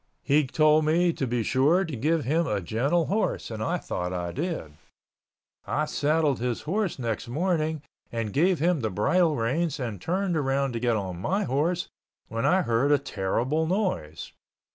He told me to be sure to give him a gentle horse and I thought I did. I saddled his horse next morning and gave him the bridle reins and turned around to get on my horse, when I heard a terrible noise.